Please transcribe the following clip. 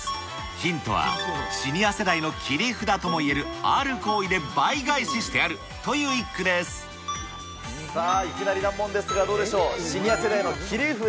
ヒントはシニア世代の切り札ともいえるある行為で倍返ししてやるさあ、いきなり難問ですが、どうでしょう。